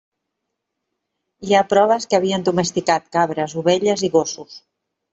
Hi ha proves que havien domesticat cabres, ovelles i gossos.